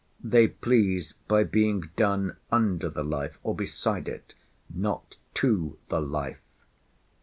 They please by being done under the life, or beside it; not to the life.